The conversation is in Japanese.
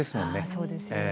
あそうですよね。